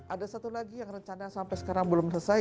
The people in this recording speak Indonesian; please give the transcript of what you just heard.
ada satu lagi yang rencana sampai sekarang belum selesai